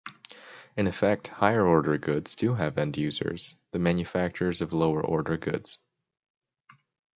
In effect, higher-order goods do have end users, the manufacturers of lower-order goods.